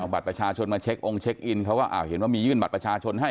บัตรประชาชนมาเช็คองค์เช็คอินเขาก็เห็นว่ามียื่นบัตรประชาชนให้